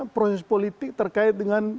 proses politik terkait dengan